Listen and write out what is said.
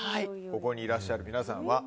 ここにいらっしゃる皆さんは。